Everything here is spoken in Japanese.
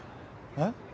えっ？